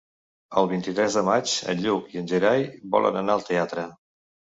El vint-i-tres de maig en Lluc i en Gerai volen anar al teatre.